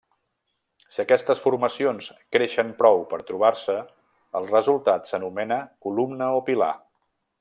Si aquestes formacions creixen prou per trobar-se, el resultat s'anomena columna o pilar.